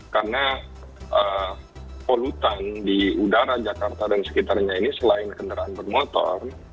karena polutan di udara jakarta dan sekitarnya ini selain kendaraan bermotor